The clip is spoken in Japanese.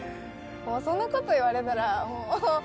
そんなこと言われたら。